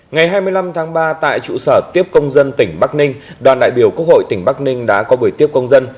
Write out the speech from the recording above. ngày hai mươi năm tháng ba tại trụ sở tiếp công dân tỉnh bắc ninh đoàn đại biểu quốc hội tỉnh bắc ninh đã có buổi tiếp công dân